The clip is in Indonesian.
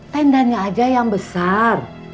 tendanya aja yang besar